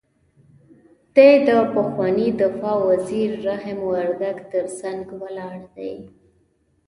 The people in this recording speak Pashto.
دی د پخواني دفاع وزیر رحیم وردګ تر څنګ ولاړ دی.